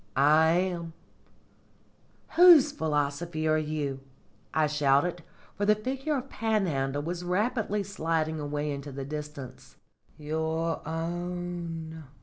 "I am." "Whose philosophy are you?" I shouted, for the figure of Panhandle was rapidly sliding away into the distance. "Your own!"